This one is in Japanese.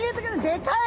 でかい！